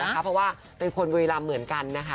เพราะว่าเป็นคนบุรีรำเหมือนกันนะคะ